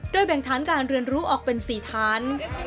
แบ่งฐานการเรียนรู้ออกเป็น๔ฐาน